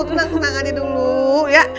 tengah tengah aja dulu ya